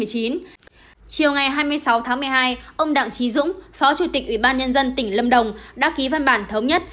chiều ngày hai mươi sáu tháng một mươi hai ông đặng trí dũng phó chủ tịch ủy ban nhân dân tỉnh lâm đồng đã ký văn bản thống nhất